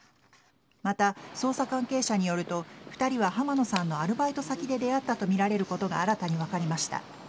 また捜査関係者によると２人は濱野さんのアルバイト先で出会ったとみられることが新たに分かりました。